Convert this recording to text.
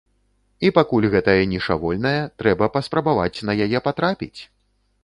І пакуль гэтая ніша вольная, трэба паспрабаваць на яе патрапіць!